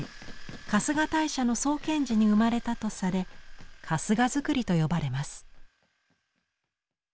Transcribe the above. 春日大社の創建時に生まれたとされ「春日造」と呼ばれます。